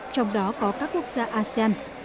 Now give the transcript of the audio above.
trong đó có các quốc gia asean